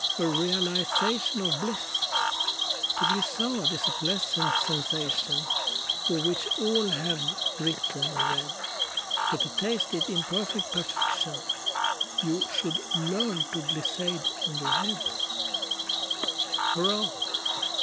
A realization of bliss! To glissade is a pleasant sensation, Of which all have written, or read; But to taste it, in perfect perfection, You should learn to glissade on your head. Hurrah!